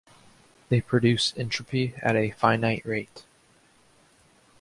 They produce entropy at a finite rate.